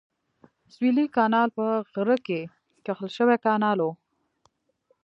سویلي کانال په غره کې کښل شوی کانال و.